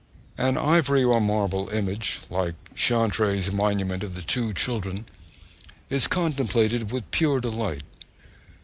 An ivory or marble image, like Chantry's monument of the two children, is contemplated with pure delight.